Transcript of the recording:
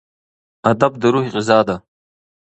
ادب د روح غذا ده.